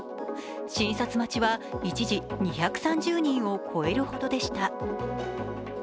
診察待ちは一時２３０人を超えるほどでした。